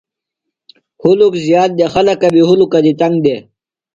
ہُلک زیات دےۡ۔ خلکہ بیۡ ہُلکہ دی تنگ دےۡ۔